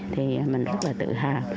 thì mình rất là tự hào